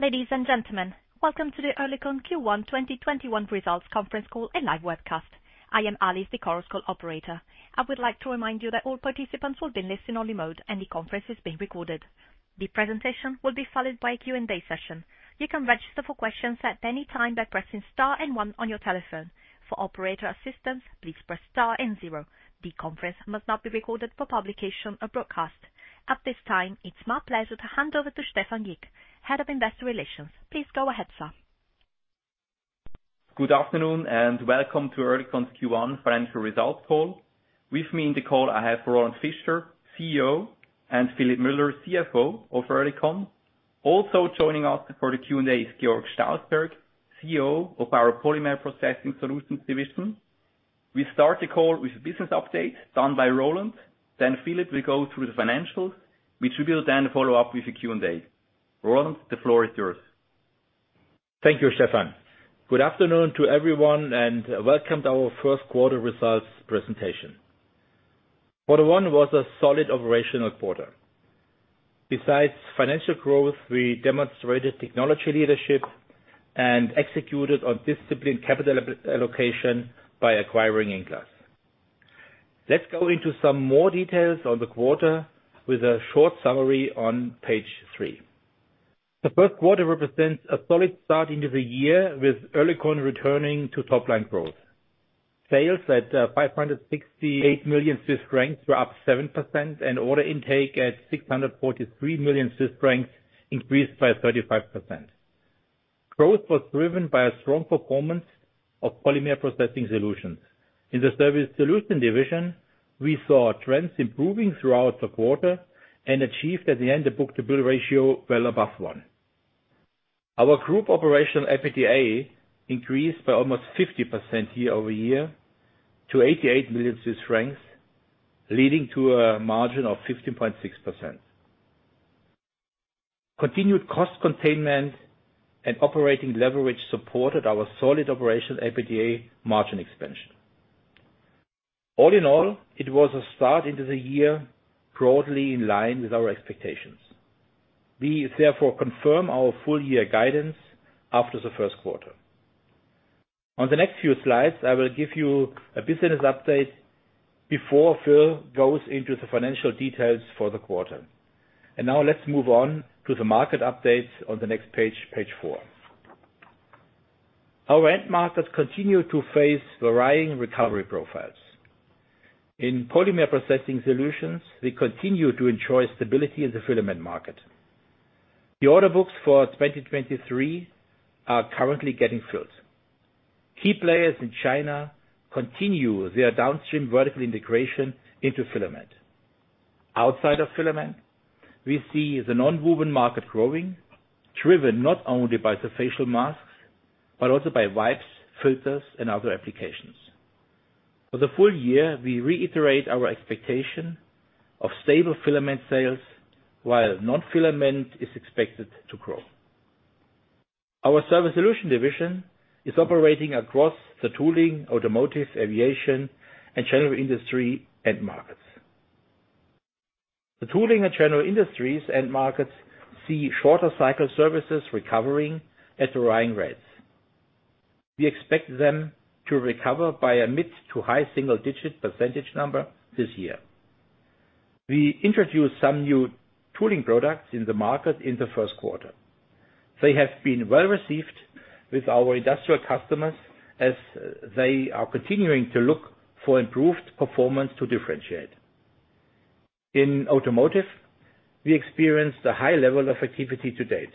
Ladies and gentlemen, welcome to the Oerlikon Q1 2021 results conference call and live webcast. I am Alice, the conference call operator. I would like to remind you that all participants will be listen-only mode, and the conference is being recorded. The presentation will be followed by a Q&A session. You can register for questions at any time by pressing star and one on your telephone. For operator assistance, please press star and zero. The conference must not be recorded for publication or broadcast. At this time, it's my pleasure to hand over to Stephan Gick, Head of Investor Relations. Please go ahead, sir. Good afternoon and welcome to OC Oerlikon's Q1 financial results call. With me in the call, I have Roland Fischer, CEO, and Philipp Müller, CFO of OC Oerlikon. Also joining us for the Q&A is Georg Stausberg, CEO of our Polymer Processing Solutions division. We start the call with a business update done by Roland, then Philipp will go through the financials. We should be able then to follow up with a Q&A. Roland, the floor is yours. Thank you, Stephan. Good afternoon to everyone, and welcome to our first quarter results presentation. Quarter one was a solid operational quarter. Besides financial growth, we demonstrated technology leadership and executed on disciplined capital allocation by acquiring INglass. Let's go into some more details on the quarter with a short summary on page three. The first quarter represents a solid start into the year with Oerlikon returning to top-line growth. Sales at 568 million Swiss francs were up 7%, and order intake at 643 million Swiss francs increased by 35%. Growth was driven by a strong performance of Polymer Processing Solutions. In the Surface Solutions division, we saw trends improving throughout the quarter and achieved at the end a book-to-bill ratio well above one. Our group operational EBITDA increased by almost 50% year-over-year to 88 million Swiss francs, leading to a margin of 15.6%. Continued cost containment and operating leverage supported our solid operational EBITDA margin expansion. All in all, it was a start into the year broadly in line with our expectations. We therefore confirm our full year guidance after the first quarter. On the next few slides, I will give you a business update before Phil goes into the financial details for the quarter. Now let's move on to the market updates on the next page four. Our end markets continue to face varying recovery profiles. In Polymer Processing Solutions, we continue to enjoy stability in the filament market. The order books for 2023 are currently getting filled. Key players in China continue their downstream vertical integration into filament. Outside of filament, we see the nonwoven market growing, driven not only by the facial masks, but also by wipes, filters, and other applications. For the full year, we reiterate our expectation of stable filament sales while non-filament is expected to grow. Our Surface Solutions division is operating across the tooling, automotive, aviation, and general industry end markets. The tooling and general industries end markets see shorter cycle services recovering at the right rates. We expect them to recover by a mid to high single-digit percentage number this year. We introduced some new tooling products in the market in the first quarter. They have been well-received with our industrial customers as they are continuing to look for improved performance to differentiate. In automotive, we experienced a high level of activity to date.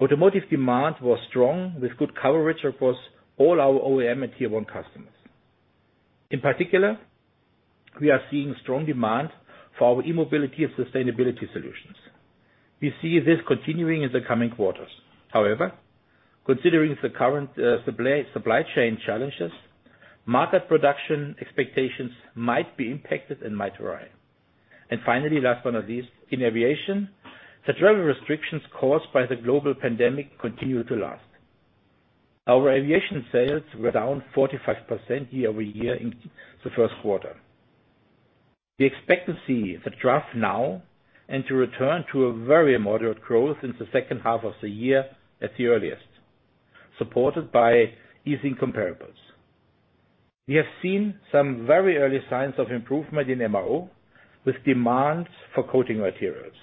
Automotive demand was strong with good coverage across all our OEM and Tier 1 customers. In particular, we are seeing strong demand for our e-mobility and sustainability solutions. We see this continuing in the coming quarters. However, considering the current supply chain challenges, market production expectations might be impacted and might vary. Finally, last one of these, in aviation, the travel restrictions caused by COVID continue to last. Our aviation sales were down 45% year-over-year in the first quarter. We expect to see the downturn and to return to a very moderate growth in the second half of the year at the earliest, supported by easing comparables. We have seen some very early signs of improvement in MRO with demands for coating materials.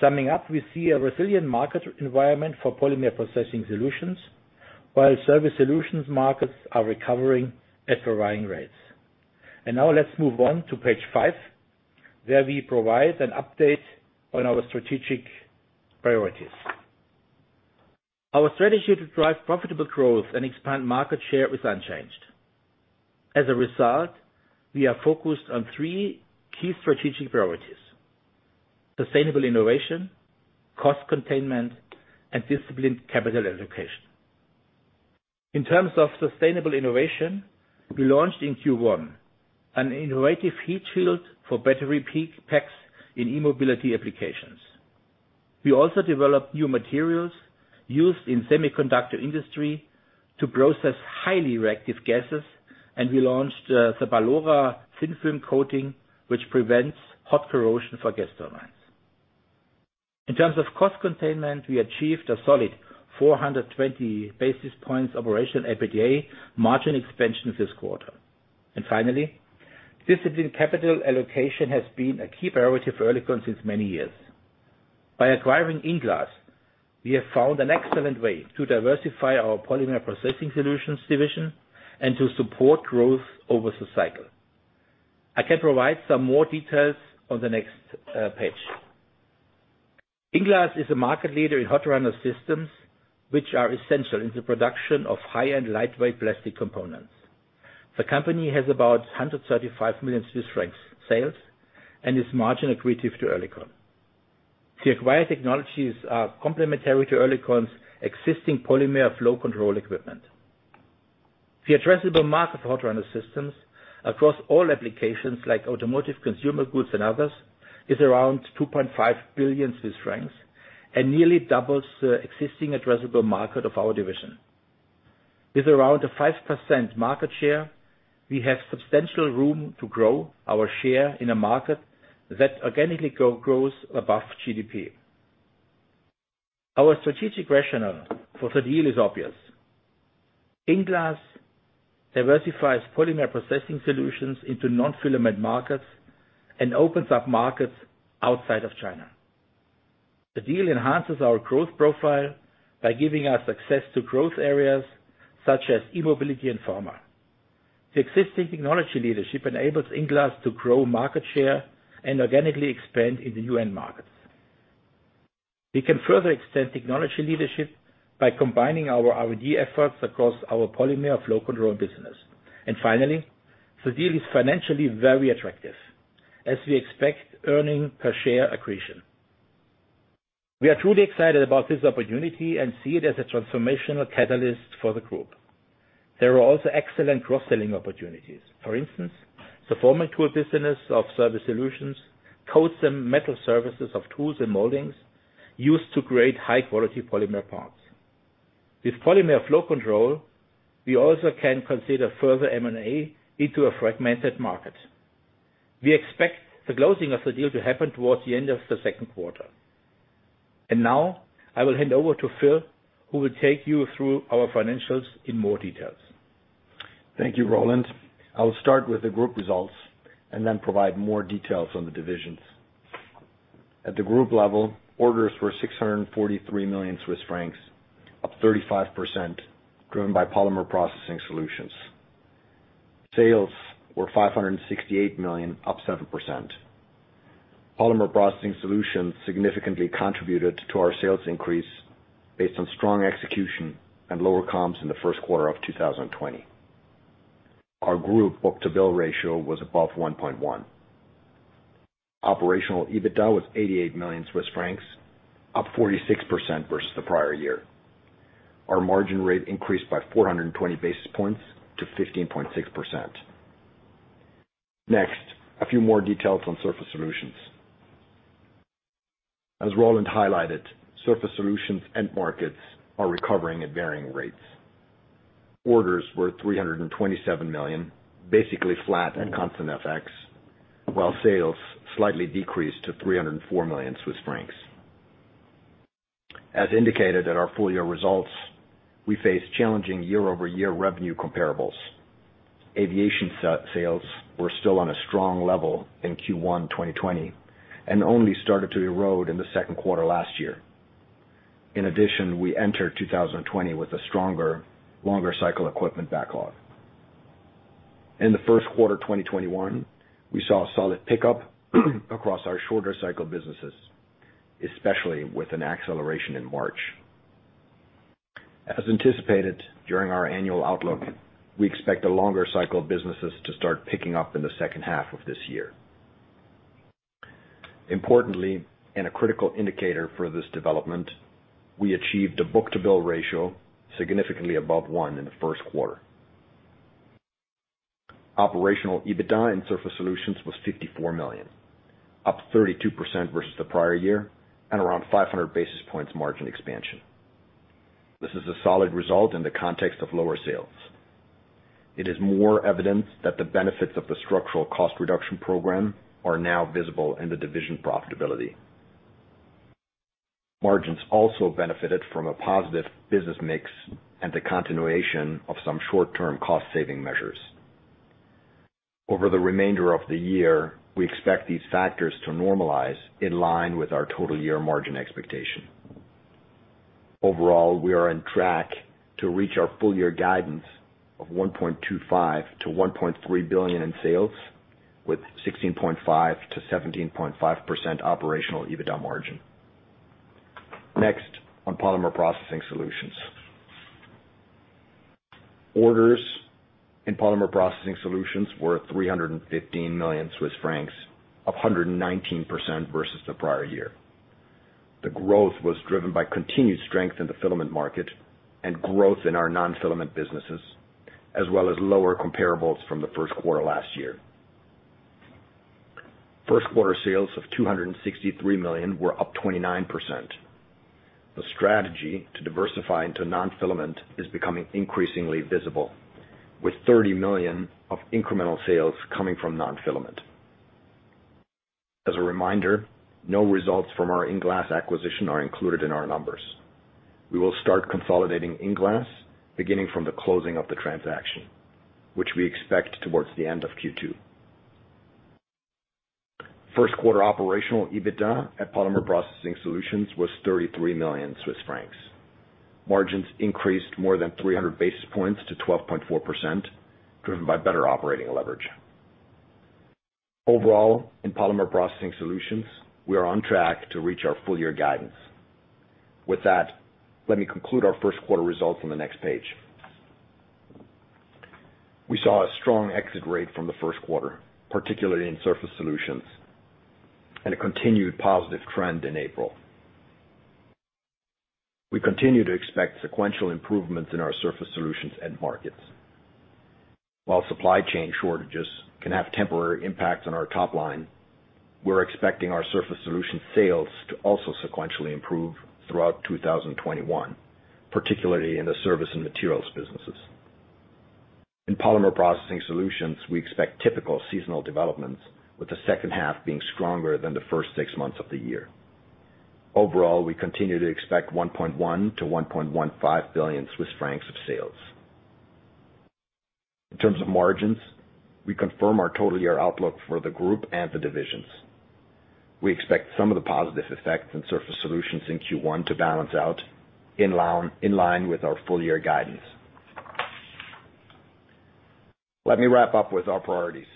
Summing up, we see a resilient market environment for Polymer Processing Solutions, while Surface Solutions markets are recovering at the right rates. Now let's move on to page five, where we provide an update on our strategic priorities. Our strategy to drive profitable growth and expand market share is unchanged. As a result, we are focused on three key strategic priorities: sustainable innovation, cost containment, and disciplined capital allocation. In terms of sustainable innovation, we launched in Q1 an innovative heat shield for battery packs in e-mobility applications. We also developed new materials used in semiconductor industry to process highly reactive gases. We launched the BALORA thin film coating, which prevents hot corrosion for gas turbines. In terms of cost containment, we achieved a solid 420 basis points operational EBITDA margin expansion this quarter. Finally, disciplined capital allocation has been a key priority for Oerlikon since many years. By acquiring INglass, we have found an excellent way to diversify our Polymer Processing Solutions division and to support growth over the cycle. I can provide some more details on the next page. INglass is a market leader in hot runner systems, which are essential in the production of high-end lightweight plastic components. The company has about 135 million Swiss francs sales and is margin accretive to Oerlikon. The acquired technologies are complementary to Oerlikon's existing polymer flow control equipment. The addressable market for hot runner systems across all applications like automotive, consumer goods, and others, is around 2.5 billion Swiss francs and nearly doubles the existing addressable market of our division. With around a 5% market share, we have substantial room to grow our share in a market that organically grows above GDP. Our strategic rationale for the deal is obvious. INglass diversifies Polymer Processing Solutions into non-filament markets and opens up markets outside of China. The deal enhances our growth profile by giving us access to growth areas such as e-mobility and pharma. The existing technology leadership enables INglass to grow market share and organically expand in the new end markets. We can further extend technology leadership by combining our R&D efforts across our polymer flow control business. Finally, the deal is financially very attractive as we expect earnings per share accretion. We are truly excited about this opportunity and see it as a transformational catalyst for the group. There are also excellent cross-selling opportunities. For instance, the forming tool business of Surface Solutions coats the metal surfaces of tools and moldings used to create high-quality polymer parts. With polymer flow control, we also can consider further M&A into a fragmented market. We expect the closing of the deal to happen towards the end of the second quarter. Now I will hand over to Phil, who will take you through our financials in more details. Thank you, Roland. I will start with the group results and then provide more details on the divisions. At the group level, orders were 643 million Swiss francs, up 35%, driven by Polymer Processing Solutions. Sales were 568 million, up 7%. Polymer Processing Solutions significantly contributed to our sales increase based on strong execution and lower comps in the first quarter of 2020. Our group book-to-bill ratio was above 1.1. Operational EBITDA was 88 million Swiss francs, up 46% versus the prior year. Our margin rate increased by 420 basis points to 15.6%. Next, a few more details on Surface Solutions. As Roland Fischer highlighted, Surface Solutions end markets are recovering at varying rates. Orders were 327 million, basically flat at constant FX, while sales slightly decreased to 304 million Swiss francs. As indicated at our full-year results, we face challenging year-over-year revenue comparables. Aviation sales were still on a strong level in Q1 2020 and only started to erode in the second quarter last year. In addition, we entered 2020 with a stronger, longer cycle equipment backlog. In the first quarter 2021, we saw a solid pickup across our shorter cycle businesses, especially with an acceleration in March. As anticipated during our annual outlook, we expect the longer cycle businesses to start picking up in the second half of this year. Importantly, and a critical indicator for this development, we achieved a book-to-bill ratio significantly above one in the first quarter. Operational EBITDA in Surface Solutions was 54 million, up 32% versus the prior year, and around 500 basis points margin expansion. This is a solid result in the context of lower sales. It is more evidence that the benefits of the structural cost reduction program are now visible in the division profitability. Margins also benefited from a positive business mix and the continuation of some short-term cost saving measures. Over the remainder of the year, we expect these factors to normalize in line with our total year margin expectation. Overall, we are on track to reach our full year guidance of 1.25 billion to 1.3 billion in sales, with 16.5%-17.5% operational EBITDA margin. Next, on Polymer Processing Solutions. Orders in Polymer Processing Solutions were 315 million Swiss francs, up 119% versus the prior year. The growth was driven by continued strength in the filament market and growth in our non-filament businesses, as well as lower comparables from the first quarter last year. First quarter sales of 263 million were up 29%. The strategy to diversify into non-filament is becoming increasingly visible with 30 million of incremental sales coming from non-filament. As a reminder, no results from our INglass acquisition are included in our numbers. We will start consolidating INglass beginning from the closing of the transaction, which we expect towards the end of Q2. First quarter operational EBITDA at Polymer Processing Solutions was 33 million Swiss francs. Margins increased more than 300 basis points to 12.4%, driven by better operating leverage. Overall, in Polymer Processing Solutions, we are on track to reach our full-year guidance. With that, let me conclude our first quarter results on the next page. We saw a strong exit rate from the first quarter, particularly in Surface Solutions, and a continued positive trend in April. We continue to expect sequential improvements in our Surface Solutions end markets. While supply chain shortages can have temporary impacts on our top line, we're expecting our Surface Solutions sales to also sequentially improve throughout 2021, particularly in the service and materials businesses. In Polymer Processing Solutions, we expect typical seasonal developments, with the second half being stronger than the first six months of the year. Overall, we continue to expect 1.1 billion-1.15 billion Swiss francs of sales. In terms of margins, we confirm our total year outlook for the group and the divisions. We expect some of the positive effects in Surface Solutions in Q1 to balance out in line with our full-year guidance. Let me wrap up with our priorities.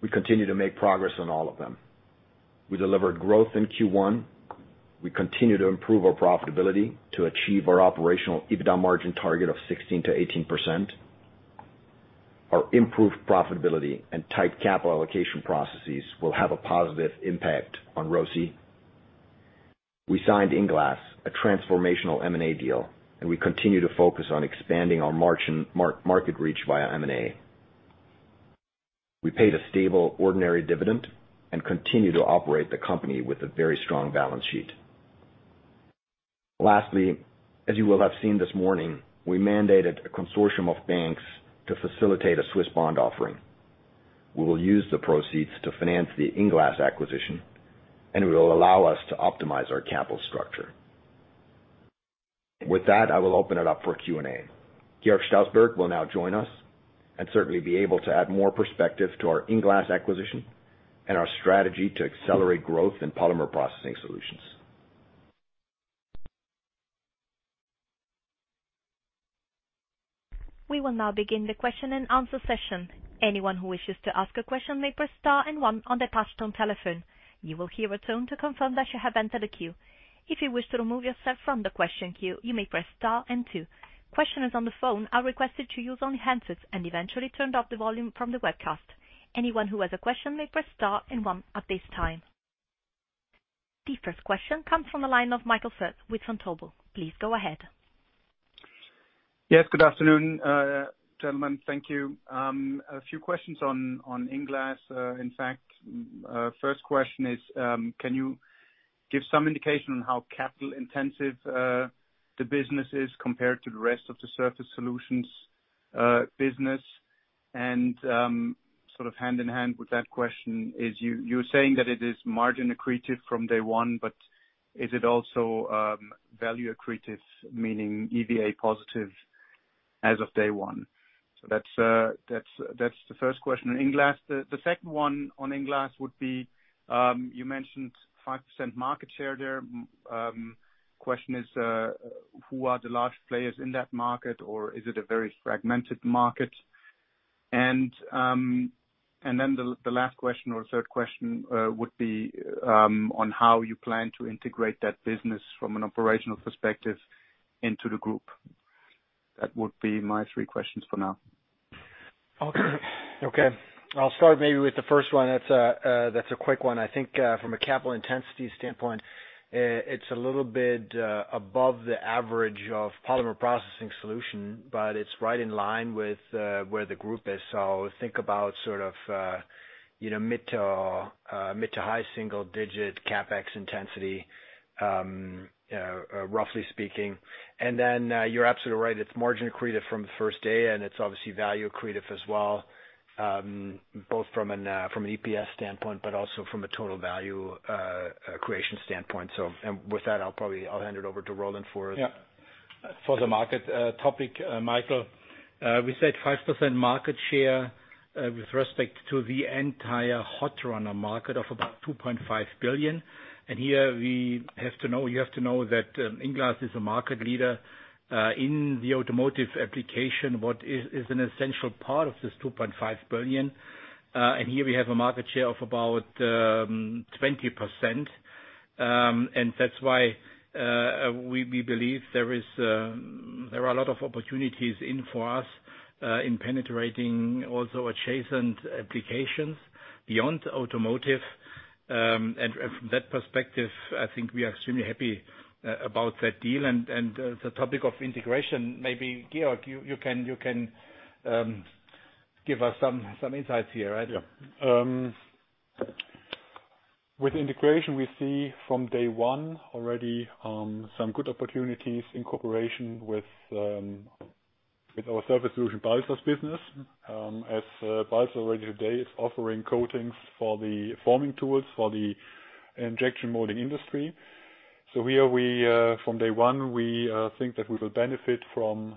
We continue to make progress on all of them. We delivered growth in Q1. We continue to improve our profitability to achieve our operational EBITDA margin target of 16%-18%. Our improved profitability and tight capital allocation processes will have a positive impact on ROCE. We signed INglass, a transformational M&A deal, and we continue to focus on expanding our market reach via M&A. We paid a stable ordinary dividend and continue to operate the company with a very strong balance sheet. Lastly, as you will have seen this morning, we mandated a consortium of banks to facilitate a Swiss bond offering. We will use the proceeds to finance the INglass acquisition, and it will allow us to optimize our capital structure. With that, I will open it up for Q&A. Georg Stausberg will now join us and certainly be able to add more perspective to our INglass acquisition and our strategy to accelerate growth in Polymer Processing Solutions. We will now begin the question and answer session. Anyone who wishes to ask a question may press star and one on their touch-tone telephone. You will hear a tone to confirm that you have entered a queue. If you wish to remove yourself from the question queue, you may press star and two. Questioners on the phone are requested to use only handsets and eventually turn up the volume from the webcast. Anyone who has a question may press star and one at this time. The first question comes from the line of Michael Foeth with Vontobel. Please go ahead. Yes, good afternoon, gentlemen. Thank you. A few questions on INglass. First question is, can you give some indication on how capital intensive the business is compared to the rest of the Surface Solutions business? Sort of hand in hand with that question is, you're saying that it is margin accretive from day one, but is it also value accretive, meaning EVA positive as of day one? That's the first question on INglass. The second one on INglass would be, you mentioned 5% market share there. Question is, who are the large players in that market, or is it a very fragmented market? Then the last question or third question would be on how you plan to integrate that business from an operational perspective into the group. That would be my three questions for now. Okay. I'll start maybe with the first one. That's a quick one. I think from a capital intensity standpoint, it's a little bit above the average of Polymer Processing Solutions. It's right in line with where the group is. Think about mid to high single-digit CapEx intensity, roughly speaking. You're absolutely right. It's margin accretive from the first day, and it's obviously value accretive as well, both from an EPS standpoint, but also from a total value creation standpoint. With that, I'll hand it over to Roland. For the market topic, Michael. We said 5% market share with respect to the entire hot runner market of about 2.5 billion. Here you have to know that INglass is a market leader in the automotive application, what is an essential part of this 2.5 billion. Here we have a market share of about 20%. That's why we believe there are a lot of opportunities in for us in penetrating also adjacent applications beyond automotive. From that perspective, I think we are extremely happy about that deal. The topic of integration, maybe Georg, you can give us some insights here, right? With integration, we see from day one already some good opportunities in cooperation with our Surface Solutions, Balzers business. As Balzers already today is offering coatings for the forming tools for the injection molding industry. Here, from day one, we think that we will benefit from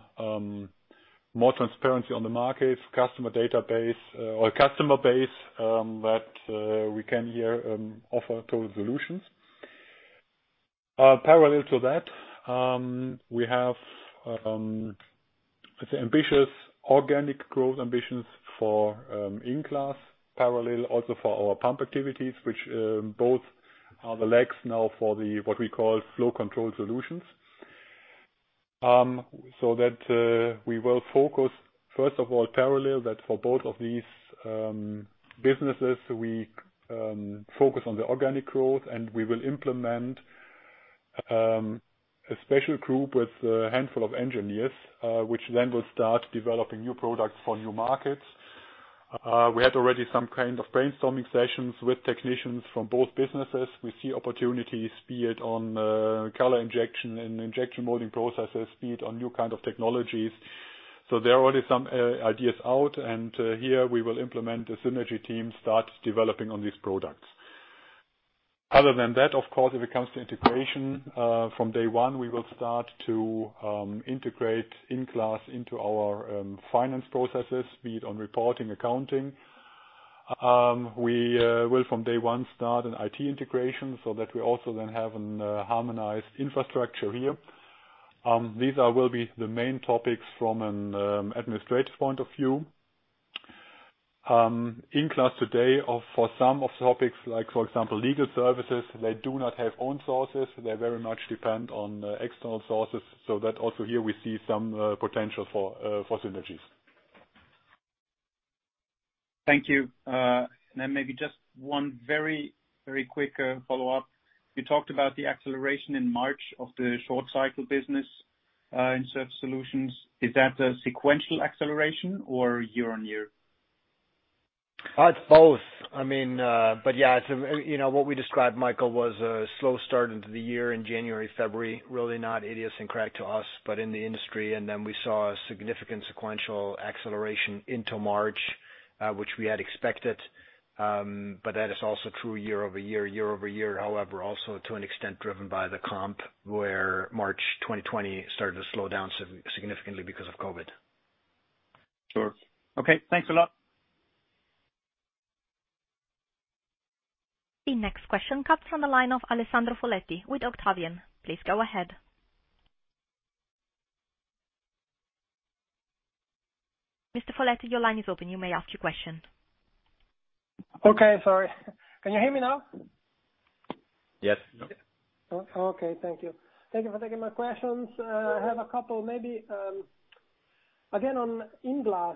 more transparency on the market, customer database or customer base that we can here offer total solutions. Parallel to that, we have, let's say, ambitious organic growth ambitions for INglass. Parallel also for our pump activities, which both are the legs now for what we call Flow Control Solutions. That we will focus first of all, parallel that for both of these businesses, we focus on the organic growth and we will implement a special group with a handful of engineers, which then will start developing new products for new markets. We had already some kind of brainstorming sessions with technicians from both businesses. We see opportunities, be it on color injection and injection molding processes, be it on new kind of technologies. There are already some ideas out, and here we will implement a synergy team, start developing on these products. Other than that, of course, if it comes to integration, from day one, we will start to integrate INglass into our finance processes, be it on reporting, accounting. We will from day one start an IT integration so that we also then have an harmonized infrastructure here. These will be the main topics from an administrative point of view. INglass today, for some of the topics like, for example, legal services, they do not have own sources. They very much depend on external sources. That also here we see some potential for synergies. Thank you. Maybe just one very quick follow-up. You talked about the acceleration in March of the short cycle business in Surface Solutions. Is that a sequential acceleration or year-on-year? It's both. Yeah, what we described, Michael, was a slow start into the year in January, February, really not idiosyncratic to us, but in the industry. Then we saw a significant sequential acceleration into March, which we had expected. That is also true year-over-year. Year-over-year, however, also to an extent driven by the comp, where March 2020 started to slow down significantly because of COVID. Sure. Okay, thanks a lot. The next question comes from the line of Alessandro Foletti with Octavian. Please go ahead. Mr. Foletti, your line is open. You may ask your question. Okay. Sorry. Can you hear me now? Yes. Okay. Thank you. Thank you for taking my questions. I have a couple. Maybe, again, on INglass.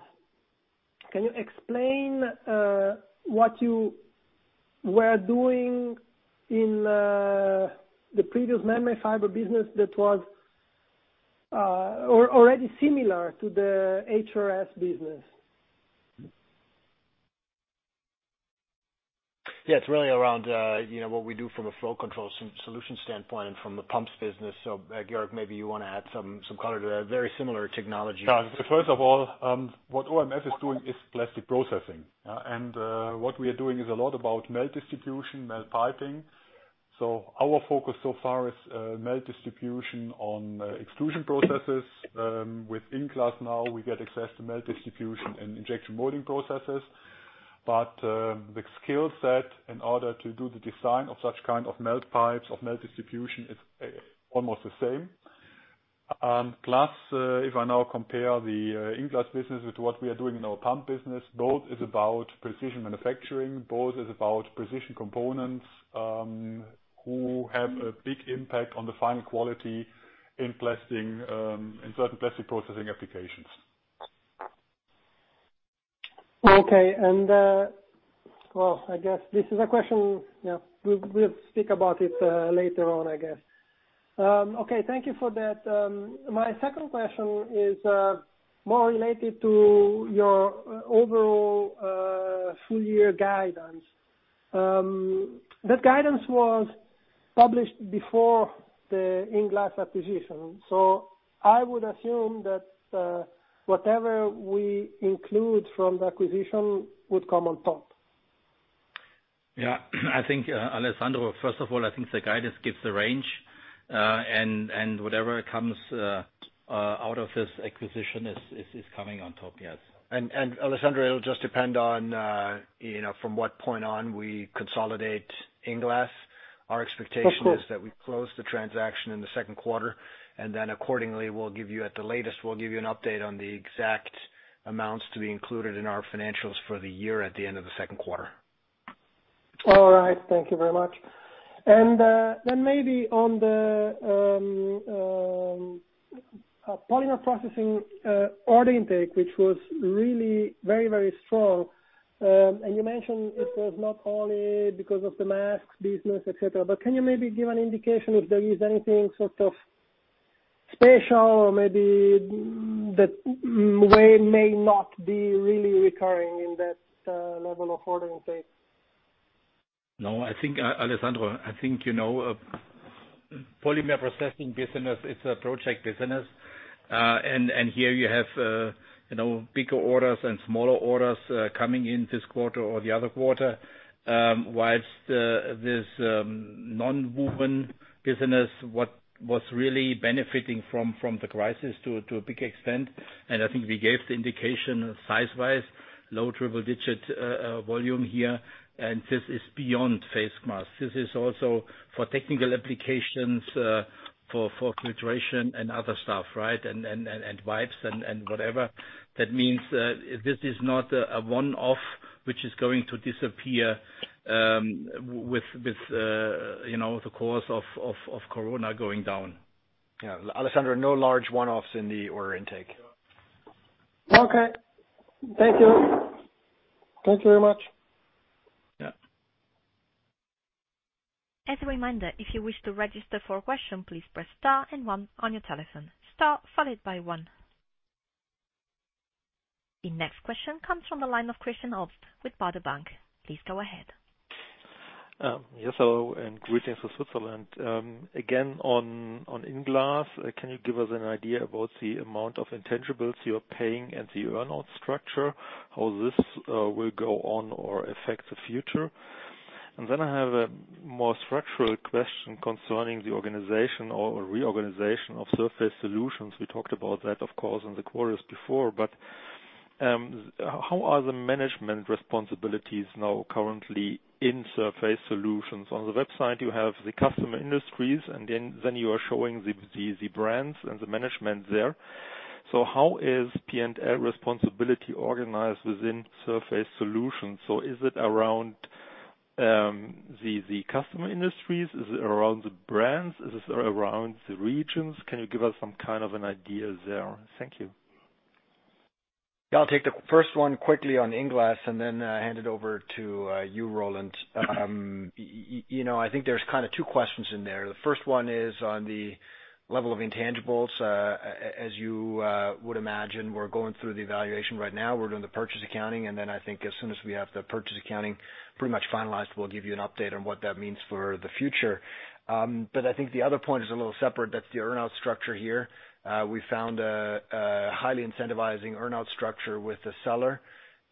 Can you explain what you were doing in the previous man-made fiber business that was already similar to the HRS business? Yeah, it's really around what we do from a Flow Control Solutions standpoint and from the pumps business. Georg, maybe you want to add some color to that. Very similar technology. First of all, what MMF is doing is plastic processing. What we are doing is a lot about melt distribution, melt piping. Our focus so far is, melt distribution on, extrusion processes. With INglass now, we get access to melt distribution and injection molding processes. The skill set in order to do the design of such kind of melt pipes, of melt distribution is almost the same. Plus, if I now compare the INglass business with what we are doing in our pump business, both is about precision manufacturing, both is about precision components, who have a big impact on the final quality in certain plastic processing applications. Okay. Well, I guess this is a question, yeah, we'll speak about it later on, I guess. Okay, thank you for that. My second question is more related to your overall full year guidance. That guidance was published before the INglass acquisition. I would assume that whatever we include from the acquisition would come on top. Yeah. I think, Alessandro, first of all, I think the guidance gives a range, and whatever comes out of this acquisition is coming on top, yes. Alessandro, it'll just depend on, from what point on we consolidate INglass. Our expectation. Of course. is that we close the transaction in the second quarter, and then accordingly, we'll give you at the latest, we'll give you an update on the exact amounts to be included in our financials for the year at the end of the second quarter. All right. Thank you very much. Maybe on the Polymer Processing order intake, which was really very strong. You mentioned it was not only because of the masks business, et cetera. Can you maybe give an indication if there is anything sort of special or maybe that way may not be really recurring in that level of order intake? No, Alessandro, I think, polymer processing business, it's a project business. Here you have bigger orders and smaller orders coming in this quarter or the other quarter. Whilst this nonwoven business, what was really benefiting from the crisis to a big extent, and I think we gave the indication size-wise, low double-digit volume here, and this is beyond face masks. This is also for technical applications, for filtration and other stuff, and wipes and whatever. This is not a one-off which is going to disappear with the course of COVID going down. Yeah. Alessandro, no large one-offs in the order intake. Okay. Thank you. Thank you very much. Yeah. As a reminder, if you wish to register for a question, please press star and one on your telephone. Star followed by one. The next question comes from the line of Christian Obst with Baader Bank. Please go ahead. Yes, hello, greetings from Switzerland. Again, on INglass, can you give us an idea about the amount of intangibles you're paying and the earn-out structure, how this will go on or affect the future? I have a more structural question concerning the organization or reorganization of Surface Solutions. We talked about that, of course, in the quarters before, how are the management responsibilities now currently in Surface Solutions? On the website, you have the customer industries, and then you are showing the brands and the management there. How is P&L responsibility organized within Surface Solutions? Is it around the customer industries? Is it around the brands? Is it around the regions? Can you give us some kind of an idea there? Thank you. Yeah, I'll take the first one quickly on INglass and then hand it over to you, Roland. I think there's two questions in there. The first one is on the level of intangibles. As you would imagine, we're going through the evaluation right now. We're doing the purchase accounting. I think as soon as we have the purchase accounting pretty much finalized, we'll give you an update on what that means for the future. I think the other point is a little separate. That's the earn-out structure here. We found a highly incentivizing earn-out structure with the seller,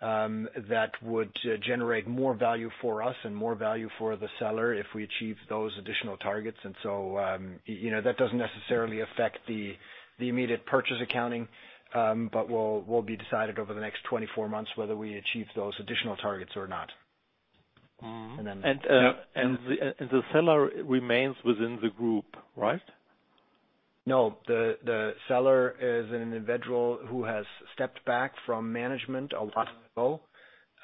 that would generate more value for us and more value for the seller if we achieve those additional targets. That doesn't necessarily affect the immediate purchase accounting, but will be decided over the next 24 months whether we achieve those additional targets or not. And then- The seller remains within the group, right? No, the seller is an individual who has stepped back from management a while ago.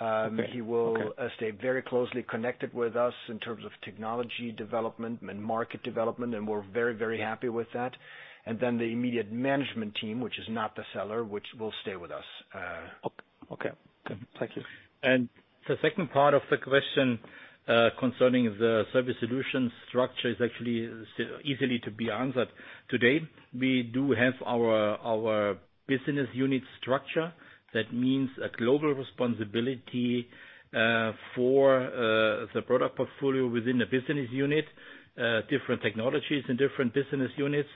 Okay. He will stay very closely connected with us in terms of technology development and market development, and we're very, very happy with that. The immediate management team, which is not the seller, which will stay with us. Okay. Good. Thank you. The second part of the question, concerning the Surface Solutions structure is actually easily to be answered. Today, we do have our business unit structure. That means a global responsibility for the product portfolio within the business unit, different technologies and different business units.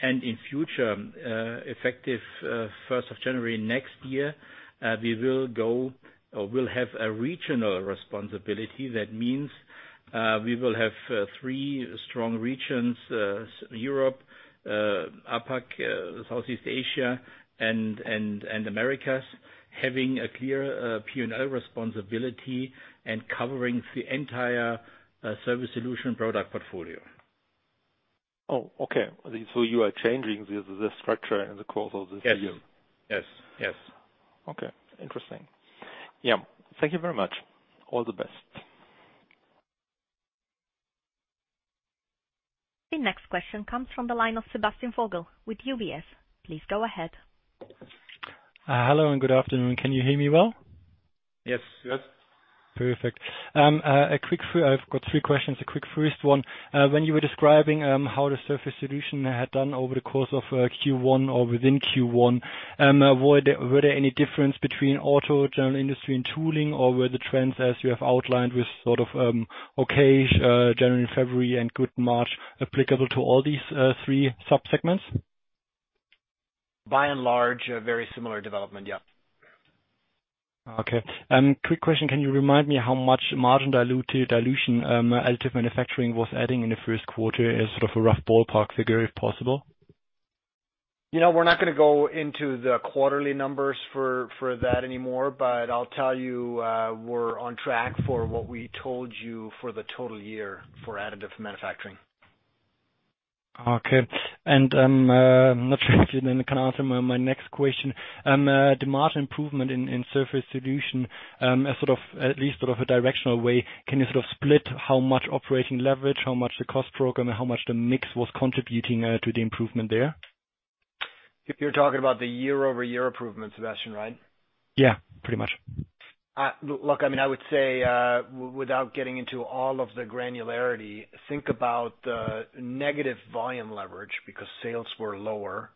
In future, effective first of January next year, we will go or will have a regional responsibility. That means, we will have three strong regions, Europe, APAC, Southeast Asia and Americas, having a clear P&L responsibility and covering the entire Surface Solutions product portfolio. Oh, okay. You are changing the structure in the course of this year? Yes. Okay. Interesting. Yeah. Thank you very much. All the best. The next question comes from the line of Sebastian Vogel with UBS. Please go ahead. Hello, and good afternoon. Can you hear me well? Yes. Yes. Perfect. I've got three questions. A quick first one. When you were describing how the Surface Solutions had done over the course of Q1 or within Q1, were there any difference between auto, general industry and tooling, or were the trends as you have outlined with sort of okay January and February and good March applicable to all these three sub-segments? By and large, a very similar development, yeah. Okay. Quick question, can you remind me how much margin dilution additive manufacturing was adding in the first quarter as sort of a rough ballpark figure, if possible? We're not going to go into the quarterly numbers for that anymore, but I'll tell you, we're on track for what we told you for the total year for additive manufacturing. Okay. Not sure if you then can answer my next question. The margin improvement in Surface Solutions, at least sort of a directional way, can you sort of split how much operating leverage, how much the cost program, and how much the mix was contributing to the improvement there? You're talking about the year-over-year improvement, Sebastian, right? Yeah, pretty much. Look, I would say, without getting into all of the granularity, think about the negative volume leverage because sales were lower,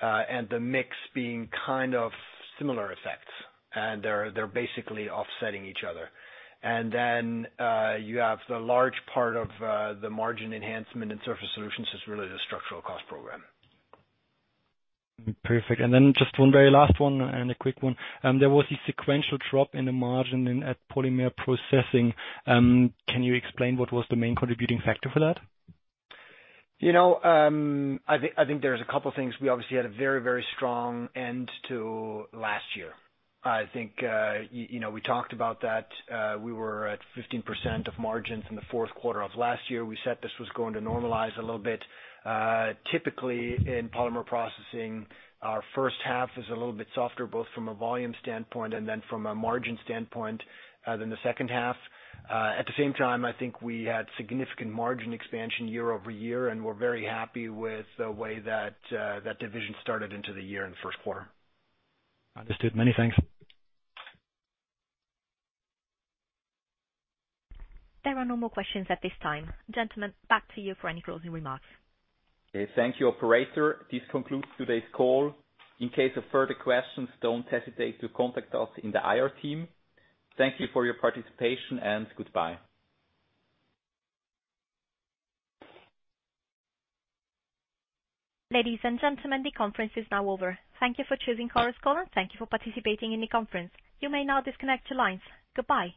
and the mix being kind of similar effects, and they're basically offsetting each other. You have the large part of the margin enhancement and Surface Solutions is really the structural cost program. Perfect. Just one very last one and a quick one. There was a sequential drop in the margin at Polymer Processing. Can you explain what was the main contributing factor for that? I think there's a couple things. We obviously had a very, very strong end to last year. I think we talked about that. We were at 15% of margins in the fourth quarter of last year. We said this was going to normalize a little bit. Typically, in Polymer Processing, our first half is a little bit softer, both from a volume standpoint and then from a margin standpoint, than the second half. At the same time, I think we had significant margin expansion year-over-year, and we're very happy with the way that division started into the year in the first quarter. Understood. Many thanks. There are no more questions at this time. Gentlemen, back to you for any closing remarks. Thank you, operator. This concludes today's call. In case of further questions, don't hesitate to contact us in the IR team. Thank you for your participation and goodbye. Ladies and gentlemen, the conference is now over. Thank you for choosing Chorus Call, and thank you for participating in the conference. You may now disconnect your lines. Goodbye.